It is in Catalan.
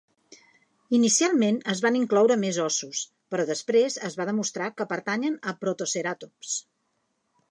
Inicialment es van incloure més ossos, però després es va demostrar que pertanyen a "Protoceratops".